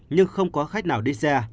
nhưng không có khách nào đi xe